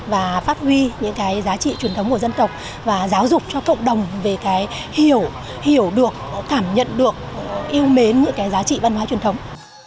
và phát huy những cái giá trị truyền thống của dân tộc và giáo dục cho cộng đồng về cái hiểu hiểu được cảm nhận được yêu mến những cái giá trị văn hóa truyền thống